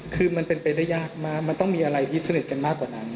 คือมันเป็นไปได้ยากมากมันต้องมีอะไรที่สนิทกันมากกว่านั้น